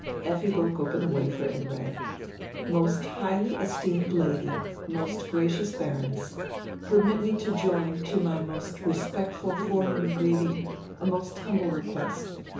Effi broke open die wafer and read: "Most highly esteemed Lady, most gracious Baroness: Permit me to join to my most respectful forenoon greeting a most humble request.